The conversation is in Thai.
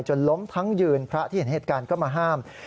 ล้มทั้งยืนพระที่เห็นเหตุการณ์ก็มาห้าม